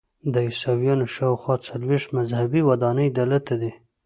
د عیسویانو شاخوا څلویښت مذهبي ودانۍ دلته دي.